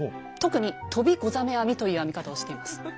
特に「飛びござ目編み」という編み方をしています。